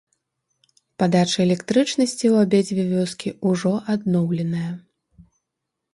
Падача электрычнасці ў абедзве вёскі ўжо адноўленая.